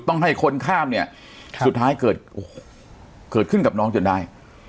ต้องให้คนข้ามเนี่ยสุดท้ายเกิดโอ้โหเกิดขึ้นกับน้องจนได้